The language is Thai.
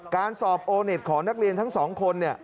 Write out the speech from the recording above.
การสอบโอเน็ตของนักเรียนทั้งสองคน